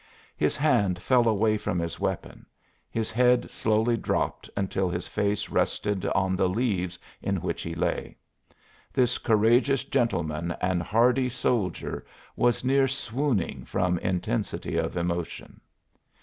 His hand fell away from his weapon, his head slowly dropped until his face rested on the leaves in which he lay. This courageous gentleman and hardy soldier was near swooning from intensity of emotion.